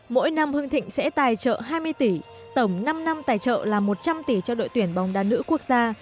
mỗi năm hưng thịnh sẽ tài trợ hai mươi tỷ tổng năm năm tài trợ là một trăm linh tỷ cho đội tuyển bóng đá nữ quốc gia